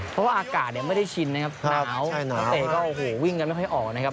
เพราะว่าอากาศเนี่ยไม่ได้ชินนะครับหนาวนักเตะก็โอ้โหวิ่งกันไม่ค่อยออกนะครับ